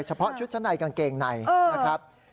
เฉพาะชุดชั้นในกางเกงในนะครับ